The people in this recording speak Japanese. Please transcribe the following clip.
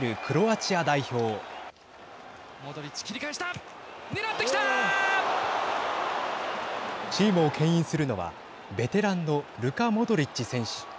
チームをけん引するのはベテランのルカ・モドリッチ選手。